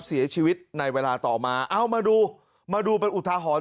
เสียชีวิตในเวลาต่อมาเอามาดูมาดูเป็นอุทาหรณ์